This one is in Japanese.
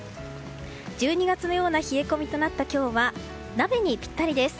１２月のような冷え込みとなった今日は鍋にぴったりです。